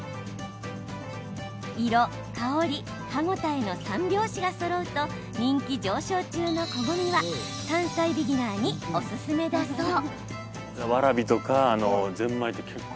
色香り歯応えの三拍子がそろうと人気上昇中のこごみは山菜ビギナーにオススメだそう。